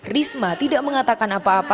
risma tidak mengatakan apa apa